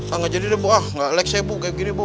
ah gak jadi bu ah gak like saya bu kayak gini bu